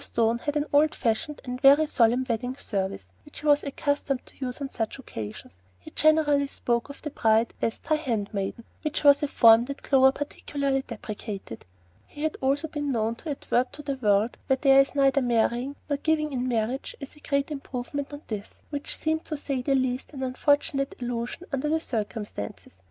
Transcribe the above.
Stone had an old fashioned and very solemn wedding service which he was accustomed to use on such occasions. He generally spoke of the bride as "Thy handmaiden," which was a form that Clover particularly deprecated. He had also been known to advert to the world where there is neither marrying nor giving in marriage as a great improvement on this, which seemed, to say the least, an unfortunate allusion under the circumstances.